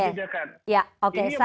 ini yang harus dibedakan